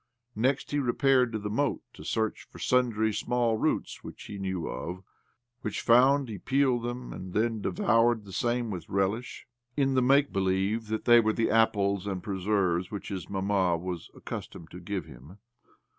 Next, he repaired to the moat tO' search for sundry small roots which he knew of; wRich found, he peeled them, aad then devoured the same with relish, in the make believe that they were the apples and preserves which his mamma was accustomed to give him.